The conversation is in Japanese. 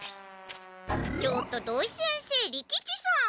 ちょっと土井先生利吉さん。